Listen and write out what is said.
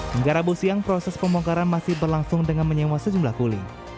menggarabu siang proses pembongkaran masih berlangsung dengan menyewa sejumlah kuli